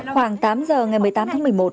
khoảng tám giờ ngày một mươi tám tháng một mươi một